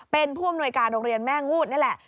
เป็นผู้อำนวยการโรงเรียนแม่งูดนี่แหละ